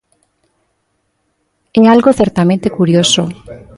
É algo certamente curioso.